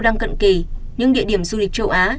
đang cận kỳ những địa điểm du lịch châu á